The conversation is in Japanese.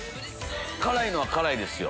辛いのは辛いですよ。